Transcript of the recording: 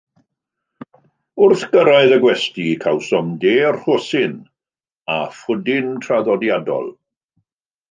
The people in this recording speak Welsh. Wrth gyrraedd y gwesty, cawsom de rhosyn a phwdin traddodiadol.